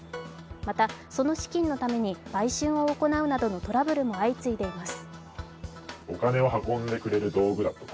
またその資金のために売春を行うなどのトラブルも相次いでいます。